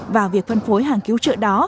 và việc phân phối hàng cứu trợ đó